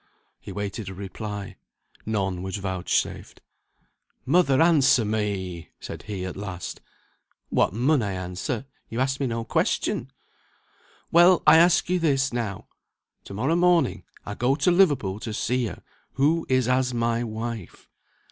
He awaited a reply. None was vouchsafed. "Mother, answer me!" said he, at last. "What mun I answer? You asked me no question." "Well! I ask you this now. To morrow morning I go to Liverpool to see her, who is as my wife.